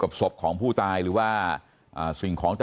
กำลังรอบที่นี่นะครับตำรวจสภศรีสมเด็จ